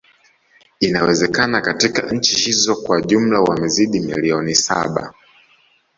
Inawezekana katika nchi hizo kwa jumla wamezidi milioni saba